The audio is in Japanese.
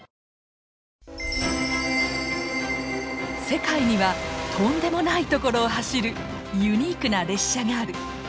世界にはとんでもない所を走るユニークな列車がある！